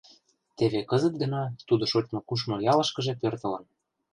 Теве кызыт гына тудо шочмо-кушмо ялышкыже пӧртылын.